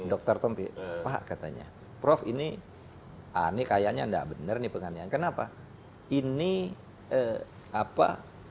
dokter tompi pak katanya prof ini ini kayaknya tidak benar ini pengajian kenapa ini apa